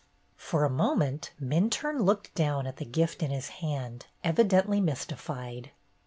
For a moment Minturne looked down at the gift in his hand, evidently mystified.